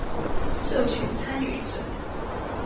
社群參與者